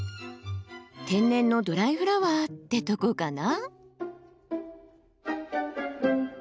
天然のドライフラワーってとこかな。